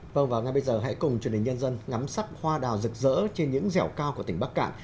vâng và ngay bây giờ hãy cùng truyền hình nhân dân ngắm sắc hoa đào rực rỡ trên những dẻo cao của tỉnh bắc cạn